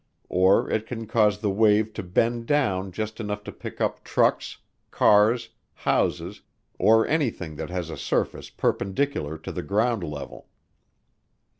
Or it can cause the wave to bend down just enough to pick up trucks, cars, houses, or anything that has a surface perpendicular to the ground level.